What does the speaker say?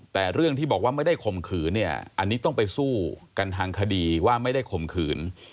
แต่เรื่องที่บอกว่าไม่ได้ข่มขืนเนี่ยอันนี้ต้องไปสู้กันทางคดีว่าไม่ได้ข่มขืน